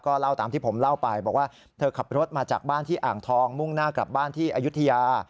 เล่าตามที่ผมเล่าไปบอกว่าเธอขับรถมาจากบ้านที่อ่างทองมุ่งหน้ากลับบ้านที่อายุทยา